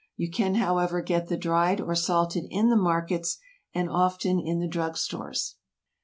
You can, however, get the dried or salted in the markets, and often in the drug stores.